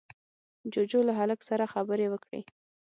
جُوجُو له هلک سره خبرې وکړې.